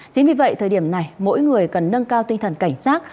chính vì vậy thời điểm này mỗi người cần nâng cao tinh thần cảnh sát